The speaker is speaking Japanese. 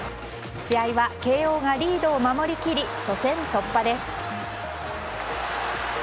試合は慶應がリードを守りきり初戦を突破です。